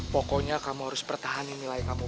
pokoknya kamu harus pertahani nilai kamu